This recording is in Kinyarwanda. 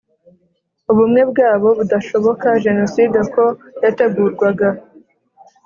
ubumwe bwabo budashoboka, jenoside uko yategurwaga